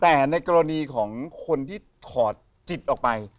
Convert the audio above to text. แต่ในกรณีของคนที่ถอดจิตออกไป